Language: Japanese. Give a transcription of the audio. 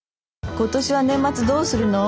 今年は年末どうするの？